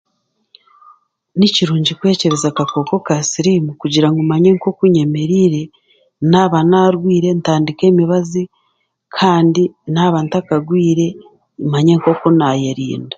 Nikirungi kwekyebeza akakooko ka siriimu kugira ngu manye nk'oku nyemerire, naaba narwire ntandike emibazi kandi naaba ntakarwire manye nk'oku naayerinda.